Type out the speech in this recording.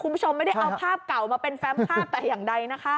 คุณผู้ชมไม่ได้เอาภาพเก่ามาเป็นแฟมภาพแต่อย่างใดนะคะ